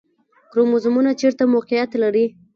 کروموزومونه چیرته موقعیت لري؟